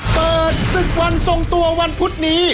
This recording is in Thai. เปิดศึกวันทรงตัววันพุธนี้